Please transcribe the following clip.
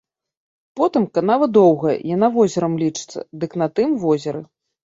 Потым канава доўгая, яна возерам лічыцца, дык на тым возеры.